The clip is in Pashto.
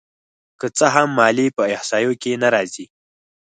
که څه هم ماليې په احصایو کې نه راځي